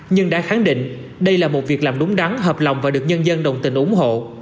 nhưng đã khẳng định đây là một việc làm đúng đắn hợp lòng và được nhân dân đồng tình ủng hộ